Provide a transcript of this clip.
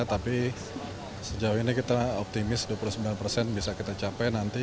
tapi sejauh ini kita optimis dua puluh sembilan persen bisa kita capai nanti